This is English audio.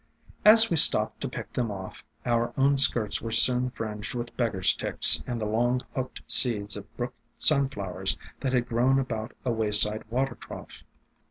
As we stopped to pick them off, our own skirts were soon fringed with Beggar's Ticks and the long hooked seeds of Brook Sunflowers that had grown about a wayside water .trough.